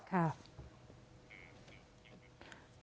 ครับ